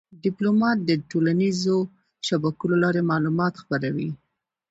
ډيپلومات د ټولنیزو شبکو له لارې معلومات خپروي.